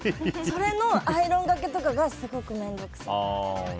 それのアイロンがけとかがすごく面倒くさい。